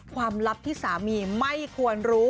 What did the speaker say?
ลับที่สามีไม่ควรรู้